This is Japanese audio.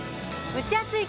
蒸し暑い